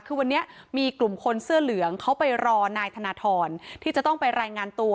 คือวันนี้มีกลุ่มคนเสื้อเหลืองเขาไปรอนายธนทรที่จะต้องไปรายงานตัว